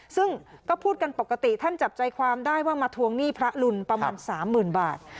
ซึ่งก็พูดกันปกติท่านจับใจความได้ว่ามาทวงหนี้พระลุนประมาณ๓๐๐๐บาท